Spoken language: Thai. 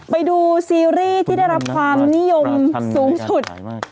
ไปดูซีรีส์ที่ได้รับความนิยมสูงสุด